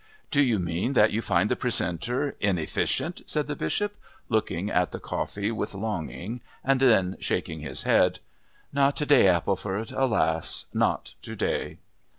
"Do you mean that you find the Precentor inefficient?" said the Bishop, looking at the coffee with longing and then shaking his head. "Not to day, Appleford, alas not to day."